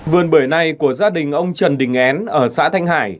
vườn bưởi này của gia đình ông trần đình én ở xã thanh hải